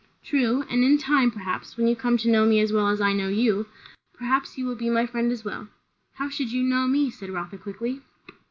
"True; and in time, perhaps, when you come to know me as well as I know you, perhaps you will be my friend as well." "How should you know me?" said Rotha quickly.